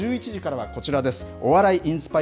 １１時からはこちらです。